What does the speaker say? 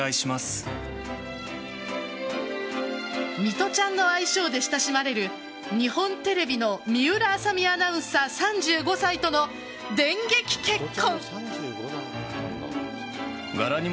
水卜ちゃんの愛称で親しまれる日本テレビの水卜麻美アナウンサー３５歳との電撃結婚。